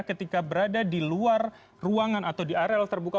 ketika berada di luar ruangan atau di areal terbuka